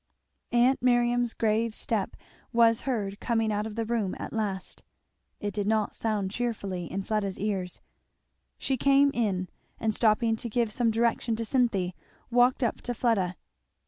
Aunt Miriam's grave step was heard coming out of the room at last, it did not sound cheerfully in Fleda's ears. She came in, and stopping to give some direction to Cynthy, walked up to Fleda.